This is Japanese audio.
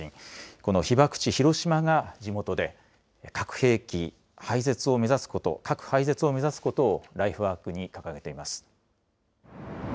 この被爆地、広島が地元で、核兵器廃絶を目指すこと、核廃絶を目指すことをライフワークに掲げています。